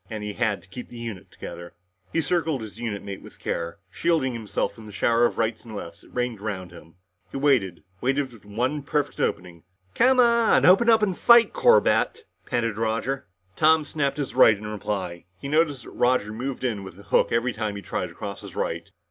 And he had to keep the unit together. He circled his unit mate with care, shielding himself from the shower of rights and lefts that rained around him. He waited waited for the one perfect opening. "Come on! Open up and fight, Corbett," panted Roger. Tom snapped his right in reply. He noticed that Roger moved in with a hook every time he tried to cross his right.